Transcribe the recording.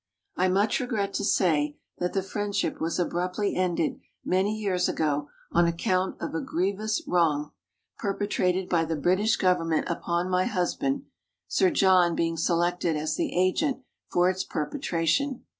I much regret to say that the friendship was abruptly ended many years ago on account of a grievous wrong per SKETCHES OF TRAVEL petrated by the British government upon my husband, Sir John being selected as the agent for its perpetration.